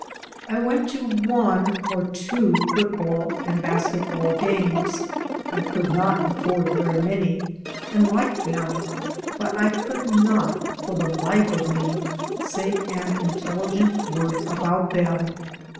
I went to one or two football and basket ball games — ^I could not afford very many — ^and liked them. But I could not, for the life of me, say an intelligent word about them.